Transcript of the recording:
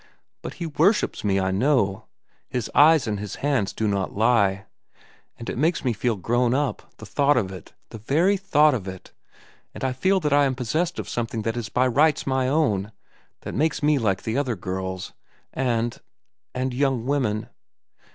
But he worships me, I know. His eyes and his hands do not lie. And it makes me feel grown up, the thought of it, the very thought of it; and I feel that I am possessed of something that is by rights my own—that makes me like the other girls—and—and young women.